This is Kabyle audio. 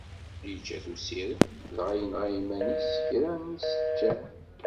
Yeǧǧa-t usirem, dɣa yenɣa iman-is s kra n yiseččan.